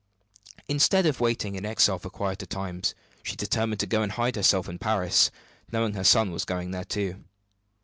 Instead of waiting in exile for quieter times, she determined to go and hide herself in Paris, knowing her son was going there too.